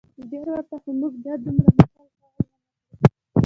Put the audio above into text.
ډیر ورته خو موږ باید دومره نقل قول ونه کړو